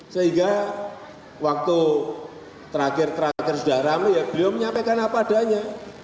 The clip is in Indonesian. sehingga waktu terakhir terakhir sudah rame ya beliau menyampaikan apa adanya